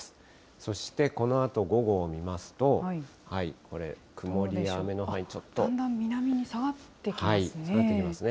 そしてこのあと午後を見ますと、これ、曇りや雨の範囲、ちょっと。だんだん南に下がってきますね。